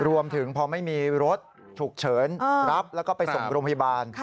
รวมถึงพอไม่มีรถฉุกเฉินรับแล้วก็ไปส่งโรงพยาบาล